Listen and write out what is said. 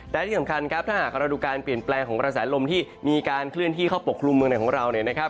และที่สำคัญครับถ้าหากเราดูการเปลี่ยนแปลงของกระแสลมที่มีการเคลื่อนที่เข้าปกครุมเมืองไหนของเราเนี่ยนะครับ